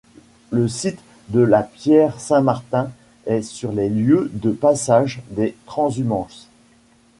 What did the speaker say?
Le site de la pierre Saint-Martin est sur les lieux de passage des transhumances.